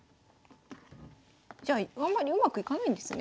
じゃああんまりうまくいかないんですね。